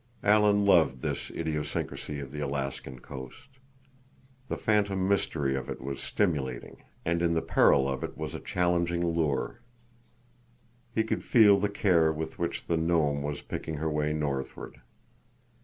Alan loved this idiosyncrasy of the Alaskan coast. The phantom mystery of it was stimulating, and in the peril of it was a challenging lure. He could feel the care with which the Nome was picking her way northward.